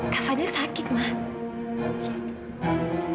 kak fadil sakit mak